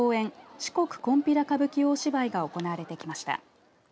四国こんぴら歌舞伎大芝居が行われてきました。